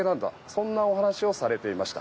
そんなお話をされていました。